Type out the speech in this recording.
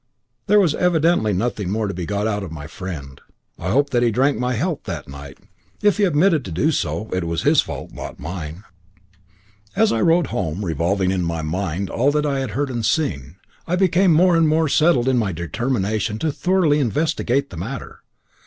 There was evidently nothing more to be got out of my friend. I hope that he drank my health that night; if he omitted to do so, it was his fault, not mine. As I rode home revolving in my mind all that I had heard and seen, I became more and more settled in my determination to thoroughly investigate the matter.